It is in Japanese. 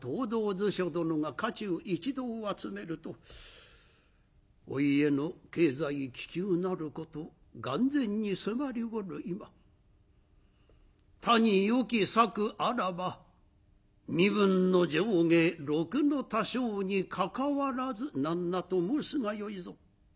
図書殿が家中一同を集めると「お家の経済危急なること眼前にすがりおる今他によき策あらば身分の上下禄の多少にかかわらず何なと申すがよいぞ」。